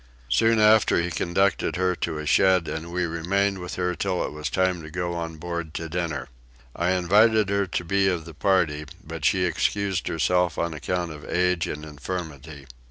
Soon after he conducted her to a shed and we remained with her till it was time to go on board to dinner. I invited her to be of the party but she excused herself on account of age and infirmity.